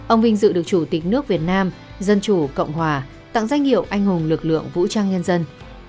ông vinh dự được chủ tịch nước việt nam dân chủ cộng hòa tặng danh hiệu anh hùng lực lượng vũ trang nhân dân